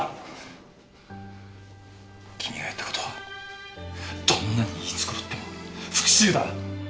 君がやった事はどんなに言い繕っても復讐だ。